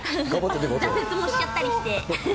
挫折もしちゃったりして。